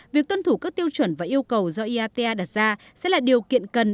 việc tuân thủ các tiêu chuẩn và yêu cầu do iata đặt ra sẽ là điều kiện cần